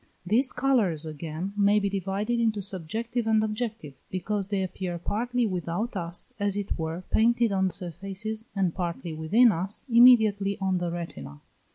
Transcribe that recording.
These colours again may be divided into subjective and objective, because they appear partly without us, as it were, painted on surfaces, and partly within us, immediately on the retina.